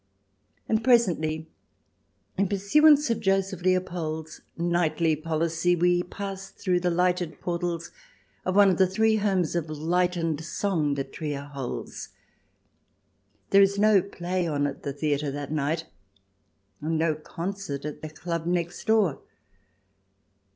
And presently, in pursuance of Joseph Leopold's nightly policy, we pass through the lighted portals of one of three homes of light and song that Trier holds. There is no play on at the theatre that night, and no concert at the Club next door.